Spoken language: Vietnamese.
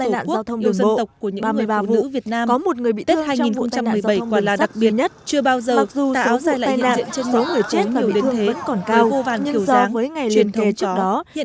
dù theo những cách khác nhau